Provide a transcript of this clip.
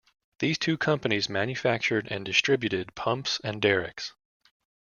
These two companies manufactured and distributed pumps and derricks.